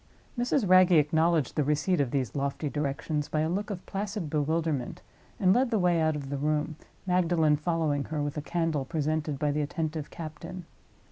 Mrs. Wragge acknowledged the receipt of these lofty directions by a look of placid bewilderment, and led the way out of the room; Magdalen following her, with a candle presented by the attentive captain.